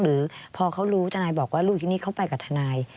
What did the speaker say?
หรือพอเขารู้ทนายบอกว่าลูกที่นี่เขาไปกับทนาย